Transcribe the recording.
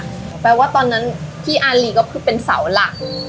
เท่าก่อนต่อที่อาร์ลีเด็กขึ้นเป็นเสาหล่ะ